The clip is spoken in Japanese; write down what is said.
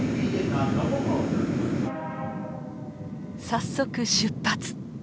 早速出発！